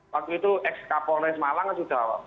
waktu itu ekskapolres malang sudah